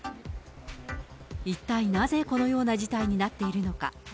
一体なぜ、このような事態になっているのか。